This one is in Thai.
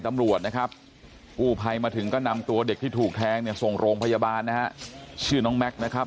ตำรวจนะครับกู้ภัยมาถึงก็นำตัวเด็กที่ถูกแทงเนี่ยส่งโรงพยาบาลนะฮะชื่อน้องแม็กซ์นะครับ